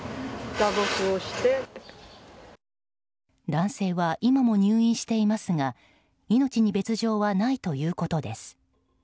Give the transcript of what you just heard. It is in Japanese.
男性は今も入院していますが命に別状はないということです。